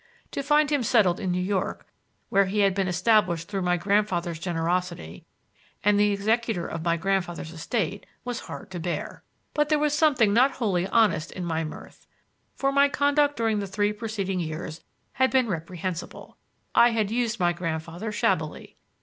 To find him settled in New York, where he had been established through my grandfather's generosity, and the executor of my grandfather's estate, was hard to bear. But there was something not wholly honest in my mirth, for my conduct during the three preceding years had been reprehensible. I had used my grandfather shabbily.